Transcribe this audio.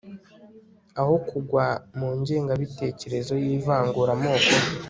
aho kugwa mu ngengabitekerezo y'ivanguramoko